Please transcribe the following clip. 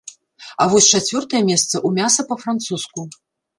А вось чацвёртае месца ў мяса па-французску.